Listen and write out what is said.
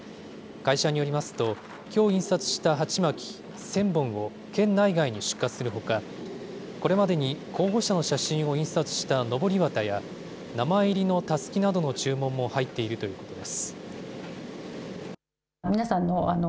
会社によりますと、きょう印刷した鉢巻き１０００本を県内外に出荷するほか、これまでに候補者の写真を印刷したのぼり旗や名前入りのたすきなどの注文も入っているということです。